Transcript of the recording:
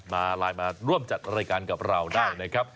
มาไลน์มาร่วมจัดรายการกับเราได้นะครับ